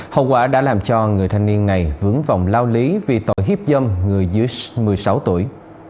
hậu quả đã làm cho người thanh niên này vướng vòng lao lý vì tội hiếp dâm người dưới một mươi sáu tuổi